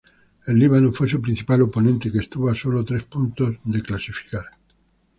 El Líbano fue su principal oponente, que estuvo a solo tres puntos de clasificar.